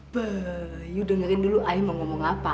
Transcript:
baah kamu dengarkan dulu ayah mau ngomong apa